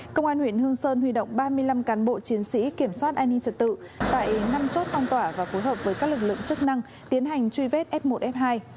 công an huyện hương sơn huy động ba mươi năm cán bộ chiến sĩ kiểm soát an ninh trật tự tại năm chốt phong tỏa và phối hợp với các lực lượng chức năng tiến hành truy vết f một f hai